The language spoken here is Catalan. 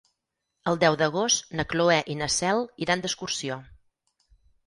El deu d'agost na Cloè i na Cel iran d'excursió.